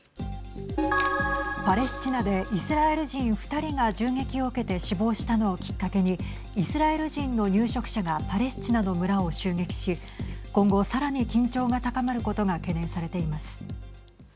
パレスチナでイスラエル人２人が銃撃を受けて死亡したのをきっかけにイスラエル人の入植者がパレスチナの村を襲撃し今後さらに緊張が高まることが懸念されています。